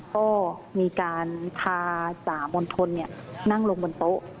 ก็มีการพาจ่ามณฑลนั่งลงบนโต๊ะ